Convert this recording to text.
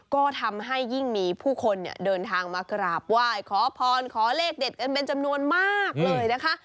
ก็ทำให้ยิ่งมีผู้คนเนี่ยเดินทางมากราบไหว้ขอพรขอเลขเด็ดกันเป็นจำนวนมากเลยนะคะ